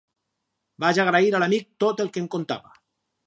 Vaig agrair a l'amic tot el que em contava.